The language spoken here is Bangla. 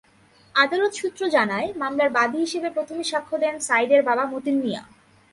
আদালত সূত্র জানায়, মামলার বাদী হিসেবে প্রথমে সাক্ষ্য দেন সাঈদের বাবা মতিন মিয়া।